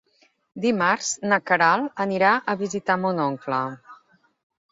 Dimarts na Queralt anirà a visitar mon oncle.